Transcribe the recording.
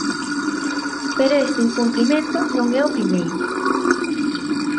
Pero este incumprimento non é o primeiro.